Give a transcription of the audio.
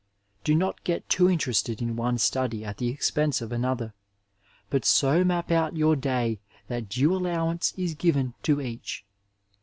Do not get too interested in one study at the expense of another, but so map out your day that due al lowance is given to each.